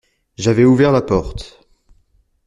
J’avais ouvert la porte.